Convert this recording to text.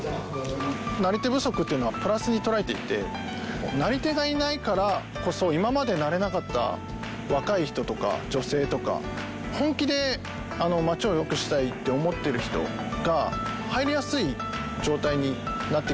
なり手不足というのはプラスに捉えていてなり手がいないからこそ今までなれなかった若い人とか女性とか本気で町を良くしたいって思っている人が入りやすい状態になってきている。